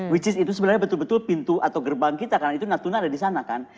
which is itu sebenarnya betul betul pintu atau gerbang kita karena itu natuna ada di sana kan